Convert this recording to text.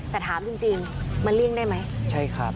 แต่ถามจริงมันเลี่ยงได้ไหมใช่ครับ